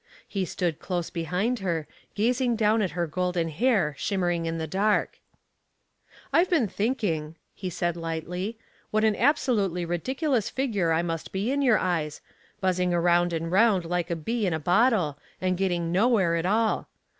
He stood close behind her, gazing down at her golden hair shimmering in the dark. "I've just been thinking," he said lightly, "what an absolutely ridiculous figure I must be in your eyes, buzzing round and round like a bee in a bottle, and getting nowhere at all.